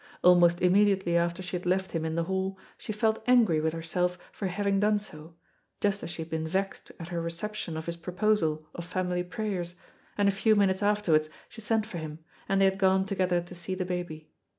Almost immediately after she had left him in the hall, she felt angry with herself for haying done so, just as she had been vexed at her reception of his proposal of family prayers, and a few minutes afterwards she sent for him, and they had gone together to see the baby.